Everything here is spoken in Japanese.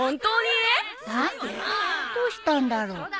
どうしたんだろう。